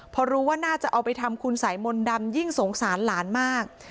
พอรู้ว่าน่าจะเอาไปทำคุณสายมนต์ดำยิ่งสงสารหลานมาก